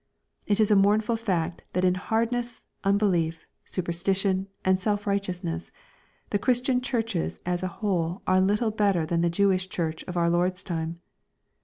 It is a mournful fact that in hardness, unbelief, superstition, and self righteousness, the Christian churches, as a whole, are little better than the Jewish church of our Lord's time.